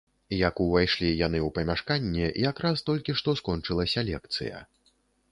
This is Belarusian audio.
Як увайшлі яны ў памяшканне, якраз толькі што скончылася лекцыя.